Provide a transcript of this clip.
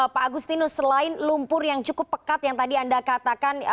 pak agustinus selain lumpur yang cukup pekat yang tadi anda katakan